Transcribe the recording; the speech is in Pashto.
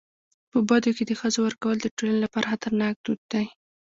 په بدو کي د ښځو ورکول د ټولني لپاره خطرناک دود دی.